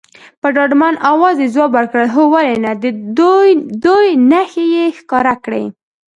په ډاډمن اواز یې ځواب ورکړ، هو ولې نه، دوې نښې یې ښکاره کړې.